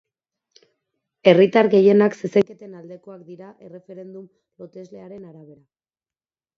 Herritar gehienak zezenketen aldekoak dira erreferendum loteslearen arabera.